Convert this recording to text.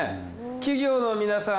企業の皆さん